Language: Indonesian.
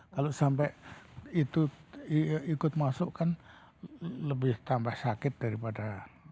kalau sampai itu ikut masuk kan lebih tambah sakit daripada